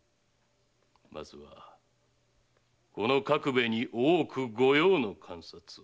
まずはこの覚兵衛に大奥御用の鑑札を。